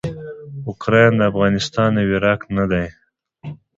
اوکراین افغانستان او عراق نه دي.